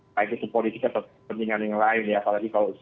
baik itu politik atau penuh dan juga kepentingan kepentingan